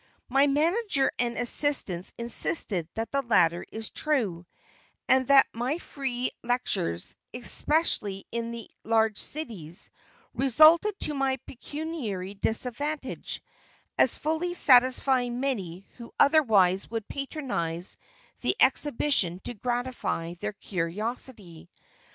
My manager and assistants insist that the latter is true, and that my free lectures, especially in the large cities, result to my pecuniary disadvantage, as fully satisfying many who otherwise would patronize the exhibition to gratify their curiosity.